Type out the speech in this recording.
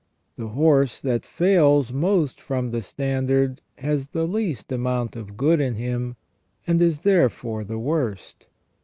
The horse that fails most from that standard has the least amount of good in him, and is therefore the worst.